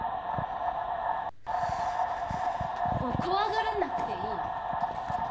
怖がらなくていい。